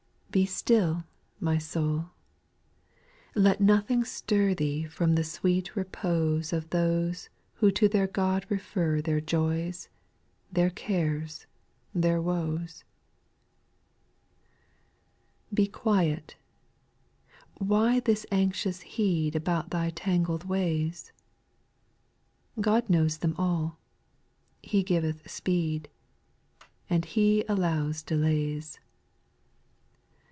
TVE still, my soul, let nothing stir Jj Thee from the sweet repose Of those who to their God refer Their joys, their cares, their woes. 2. Be quiet, why this anxious heed About thy tangled ways ? God knows them all, He giveth speed, And He allows delays. SPIRITUAL SONGS.